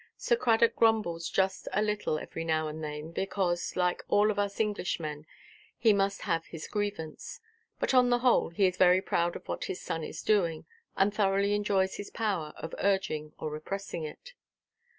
Sir Cradock grumbles just a little every now and then, because, like all of us Englishmen, he must have his grievance. But, on the whole, he is very proud of what his son is doing, and thoroughly enjoys his power of urging or repressing it.